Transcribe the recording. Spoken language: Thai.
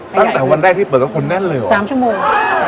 ตั้งแต่วันแรกที่เปิดกับคนแน่นเลยเหรอ๓ชั่วโมง